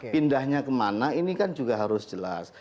pindahnya kemana ini kan juga harus jelas